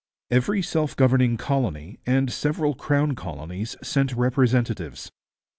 Every self governing colony and several crown colonies sent representatives.